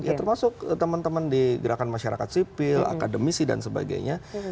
ya termasuk teman teman di gerakan masyarakat sipil akademisi dan sebagainya